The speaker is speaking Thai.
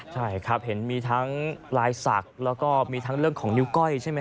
ใช่ครับเห็นมีทั้งลายศักดิ์แล้วก็มีทั้งเรื่องของนิ้วก้อยใช่ไหม